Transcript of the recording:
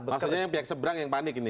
maksudnya yang pihak seberang yang panik ini